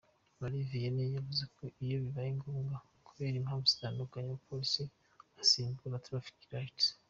Marie Vianney yavuze ko iyo bibaye ngombwa kubera impamvu zitandukanye umupolisi asimbura ‘Traffic lights’.